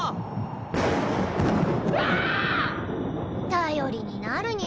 頼りになるニャ。